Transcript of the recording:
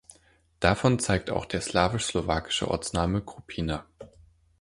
Davon zeigt auch der slawisch-slowakische Ortsname Krupina.